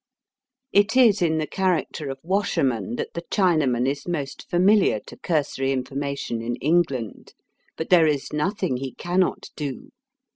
It is in the character of washerman that the Chinaman is most familiar to cursory information in England. But there is nothing he cannot do.